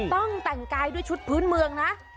ต้องแต่งกายด้วยชุดพื้นเมืองนะ